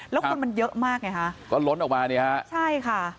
แล้วคนมันเยอะมากไงฮะก็ล้นออกมาเนี่ยฮะใช่ค่ะ